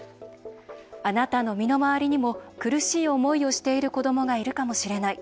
あなたの身の回りにも苦しい思いをしている子どもがいるかもしれない。